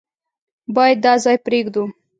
بايد دا ځای پرېږدو.